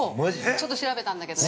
◆ちょっと調べたんだけどね。